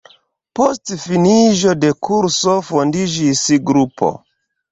Post finiĝo de kurso fondiĝis grupo.